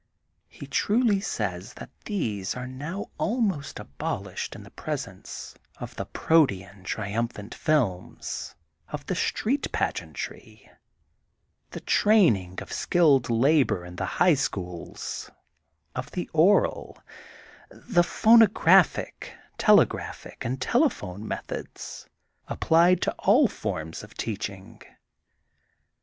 He truly says that these are now al 182 THE GOLDEN BOOK OF SPRINGFIELD most abolished in the presence of the protean triumphant fihns, of the street pageantry, the training of skilled labor in the high schools, of the oral, the phonographic, telegraphic and telephone methods, applied to all forms of teaching.